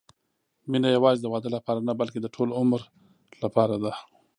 مینه یوازې د واده لپاره نه، بلکې د ټول عمر لپاره ده.